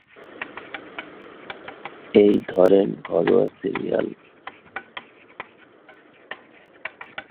- এই ধরেন ঘরোয়া সিরিয়াল।